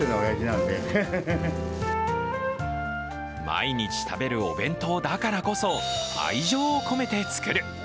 毎日食べるお弁当だからこそ、愛情を込めて作る。